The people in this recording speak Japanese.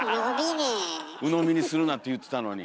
鵜呑みにするなって言ってたのに。